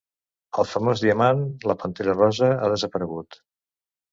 El famós diamant la Pantera rosa ha desaparegut.